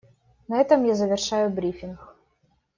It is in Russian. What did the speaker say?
На этом я завершаю брифинг.